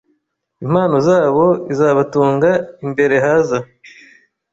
impano zabo izabatunga imbere haza ?